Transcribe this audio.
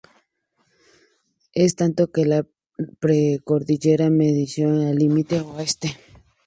En tanto que la precordillera mendocina es el límite Oeste.